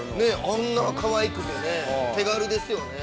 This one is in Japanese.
◆あんなかわいくて手軽ですよね。